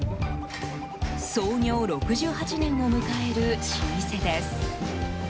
創業６８年を迎える老舗です。